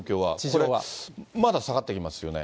これ、まだ下がってきますよね。